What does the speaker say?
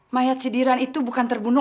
mayat sidiran itu bukan terbunuh